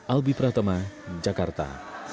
albi pratama jakarta